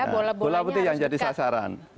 bola putih yang jadi sasaran